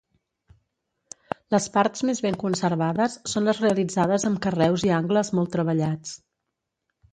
Les parts més ben conservades són les realitzades amb carreus i angles molt treballats.